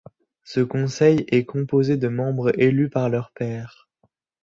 Ce conseil est composé de membres élus par leurs pairs.